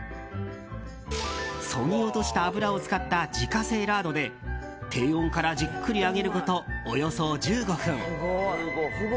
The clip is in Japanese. そぎ落とした脂を使った自家製ラードで低温からじっくり揚げることおよそ１５分。